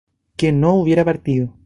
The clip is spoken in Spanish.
que no hubiera partido